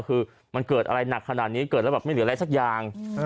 คือมันเกิดอะไรหนักขนาดนี้เกิดแล้วแบบไม่เหลืออะไรสักอย่าง